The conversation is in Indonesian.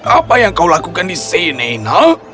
apa yang kau lakukan di sini nak